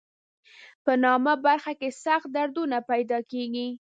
په نامه برخه کې سخت دردونه پیدا کېږي.